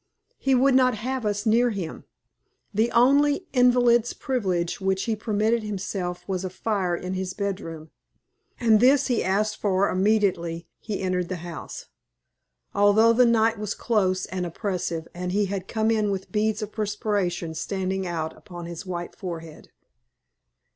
He would not have us near him. The only invalid's privilege which he permitted himself was a fire in his bedroom, and this he asked for immediately he entered the house, although the night was close and oppressive, and he had come in with beads of perspiration standing out upon his white forehead.